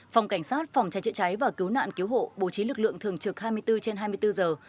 phòng cảnh sát phòng cháy chữa cháy và cứu nạn cứu hộ bố trí lực lượng thường trực hai mươi bốn trên hai mươi bốn giờ